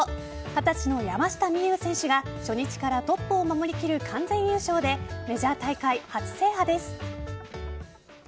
二十歳の山下美夢有選手が初日からトップを守りきる完全優勝でメジャー大会初制覇です。